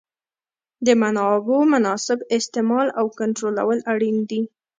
د منابعو مناسب استعمال او کنټرولول اړین دي.